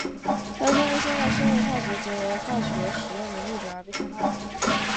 它是通过现代生物化学结合化学实验的逆转而被开发的。